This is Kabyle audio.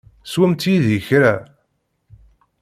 Swemt yid-i kra.